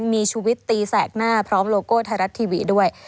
มีชุวิตตีแสกหน้าพร้อมโลโก้ไทยรัฐทีวีด้วย